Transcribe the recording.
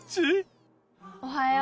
おはよう。